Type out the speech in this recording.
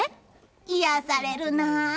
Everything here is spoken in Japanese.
癒やされるなあ。